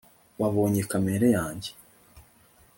wabonye kamera yanjye